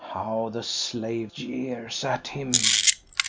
How the slave jeers at him!